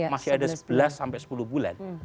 masih ada sebelas sampai sepuluh bulan